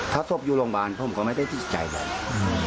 ถ้าต้องอยู่โรงพยาบาลผมก็ไม่ได้พิจัยแบบนี้